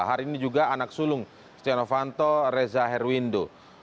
hari ini juga anak sulung stiano fanto reza herwindo